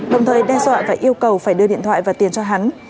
đồng thời đe dọa và yêu cầu phải đưa điện thoại và tiền cho hắn